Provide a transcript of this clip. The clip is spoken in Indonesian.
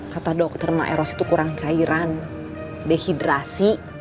kata dokter maeros itu kurang cairan dehidrasi